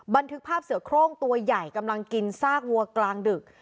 บันทึกภาพเสือโครงตัวใหญ่กำลังกินซากวัวกลางดึก